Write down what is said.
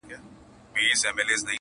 o چي نه کار، په هغه دي څه کار!